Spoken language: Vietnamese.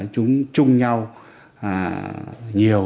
chúng chung nhau nhiều